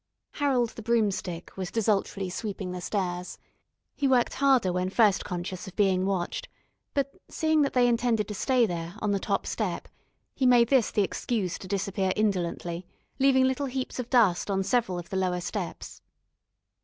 Harold the Broomstick was desultorily sweeping the stairs. He worked harder when first conscious of being watched, but seeing that they intended to stay there, on the top step, he made this the excuse to disappear indolently, leaving little heaps of dust on several of the lower steps.